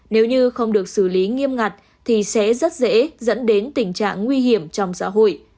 nếu như không được xử lý nghiêm ngặt thì sẽ rất dễ dẫn đến tình trạng nguy hiểm trong xã hội